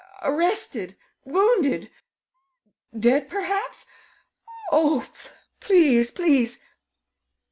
Arrested! Wounded! Dead perhaps?... Oh, please, please!..."